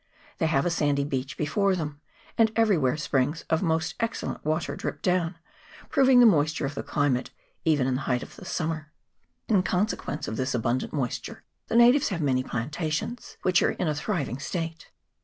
They have a sandy beach before them; and everywhere springs of most excellent water drip down, proving the moisture of the cli mate, even in the height of summer. In conse quence of this abundant moisture the natives have many plantations, which are in a thriving state.